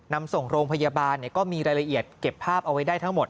นำส่งโรงพยาบาลก็มีรายละเอียดเก็บภาพเอาไว้ได้ทั้งหมด